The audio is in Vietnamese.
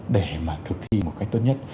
để mà thực hiện một cách tốt nhất